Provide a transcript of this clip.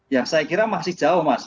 ya saya kira masih jauh mas